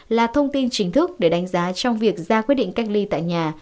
là thông tin chính thức để đánh giá trong việc ra quyết định cách ly tại nhà